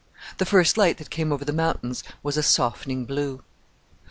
The first light that came over the mountains was a softening blue.